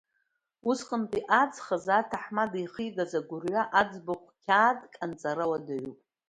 Усҟантәи аҵх азы аҭаҳмада ихигаз агәырҩа аӡбахә қьаадк анҵара уадаҩуп.